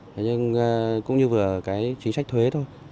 thế nhưng cũng như vừa cái chính sách thuế thôi